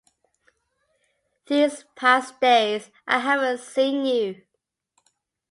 These past days I haven't seen you.